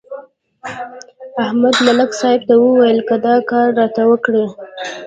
احمد ملک صاحب ته ویل: که دا کار راته وکړې.